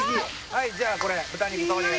はいじゃあこれ豚肉投入